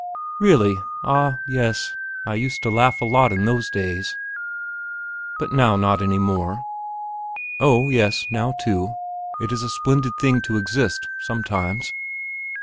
"Really, a ah yes; I used to laugh a lot in those days." "But now not any more?" "Oh yes; now too. It is a splendid thing to exist sometimes."